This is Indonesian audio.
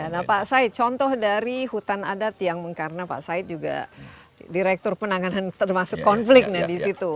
nah pak said contoh dari hutan adat yang karena pak said juga direktur penanganan termasuk konflik ya di situ